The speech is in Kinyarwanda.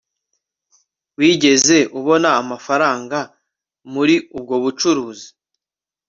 Wigeze ubona amafaranga muri ubwo bucuruzi